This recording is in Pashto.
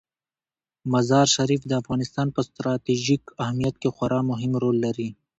مزارشریف د افغانستان په ستراتیژیک اهمیت کې خورا مهم رول لري.